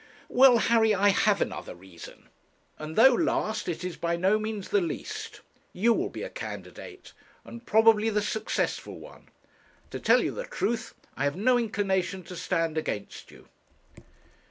'Well, Harry, I have another reason; and, though last, it is by no means the least. You will be a candidate, and probably the successful one. To tell you the truth, I have no inclination to stand against you.'